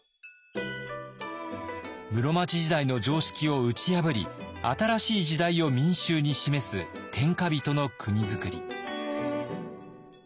室町時代の常識を打ち破り新しい時代を民衆に示す天下人の国づくり。